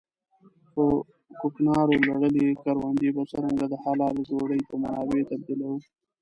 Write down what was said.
په کوکنارو لړلې کروندې به څرنګه د حلالې ډوډۍ په منابعو تبديلوو.